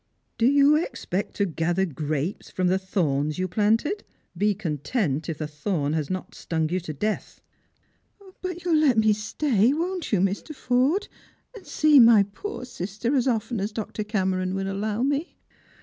Do you expect to gather grapes from the thorns you pkxntud f Be content if the thorn has not stung you to death." " But you'll let me stay, won't you, Mr. Forde, and see my poor sister as often as Dr. Cameron will allow me